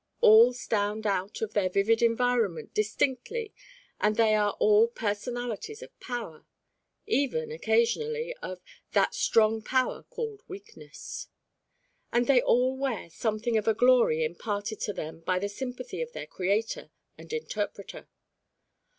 All stand out of their vivid environment distinctly and they are all personalities of power even, occasionally, of "that strong power called weakness." And they all wear something of a glory imparted to them by the sympathy of their creator and interpreter.